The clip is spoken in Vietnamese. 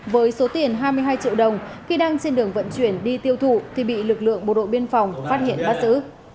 với số tiền hai mươi hai triệu đồng khi đang trên đường vận chuyển đi tiêu thụ thì bị lực lượng bộ đội biên phòng phát hiện bắt giữ